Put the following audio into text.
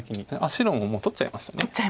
白ももう取っちゃいました。